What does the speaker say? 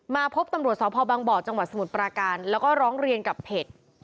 พบตำรวจสพบังบ่อจังหวัดสมุทรปราการแล้วก็ร้องเรียนกับเพจ